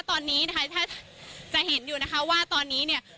ตอนนี้นะคะถ้าจะเห็นอยู่นะคะว่าตอนนี้เนี่ย